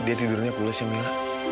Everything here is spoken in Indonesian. dia tidurnya pules ya mila